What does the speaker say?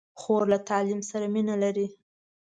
خور له تعلیم سره مینه لري.